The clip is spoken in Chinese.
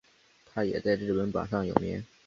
它也在日本榜上有名。